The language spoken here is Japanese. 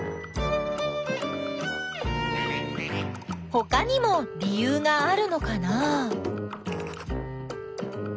ほかにも理ゆうがあるのかな？